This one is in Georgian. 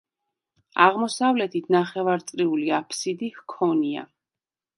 აღმოსავლეთით ნახევარწრიული აფსიდი ჰქონია.